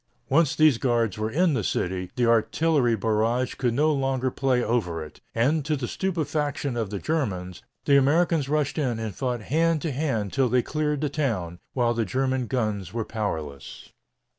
Once these guards were in the city, the artillery barrage could no longer play over it, and to the stupefaction of the Germans, the Americans rushed in and fought hand to hand till they cleared the town, while the German guns were powerless.